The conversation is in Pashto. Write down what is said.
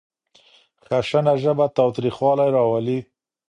خشنه ژبه تاوتريخوالی راولي.